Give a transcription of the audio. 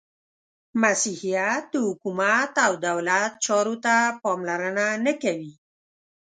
• مسیحیت د حکومت او دولت چارو ته پاملرنه نهکوي.